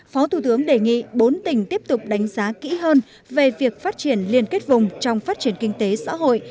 phó thủ tướng đề nghị bốn tỉnh tiếp tục đánh giá kỹ hơn về việc phát triển liên kết vùng trong phát triển kinh tế xã hội